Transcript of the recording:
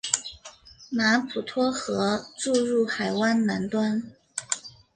马普托河注入海湾南端。